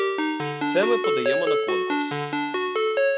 Це ми подаємо на конкурс.